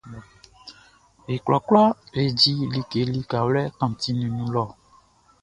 E kwlakwla e di like likawlɛ kantinʼn nun lɔ.